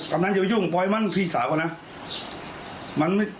กำนันอย่าไปยุ่งปล่อยมันพี่สาวก่อนนะ